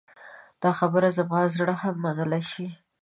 دا خبره زما زړه هم منلی شي.